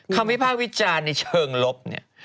คำวิพากษ์วิจารณ์ในเชิงลบเนี่ย